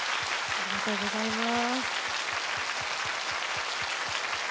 ありがとうございます。